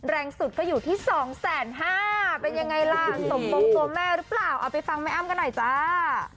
แรงสุดก็อยู่ที่๒๕๐๐เป็นยังไงล่ะสมปงตัวแม่หรือเปล่าเอาไปฟังแม่อ้ำกันหน่อยจ้า